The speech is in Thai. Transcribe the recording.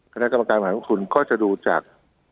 คณะกรรมการบริหารของคุณก็จะดูจาก